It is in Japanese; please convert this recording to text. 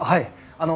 あの。